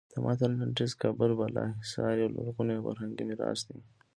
د متن لنډیز کابل بالا حصار یو لرغونی فرهنګي میراث دی.